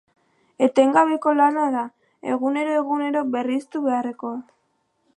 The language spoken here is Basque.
Etengabeko lana da, egunero-egunero berriztu beharrekoa.